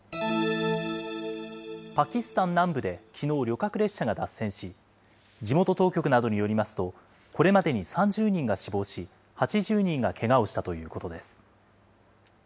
パキスタン南部できのう、旅客列車が脱線し、地元当局などによりますと、これまでに３０人が死亡し、８０人がけがをしたということです。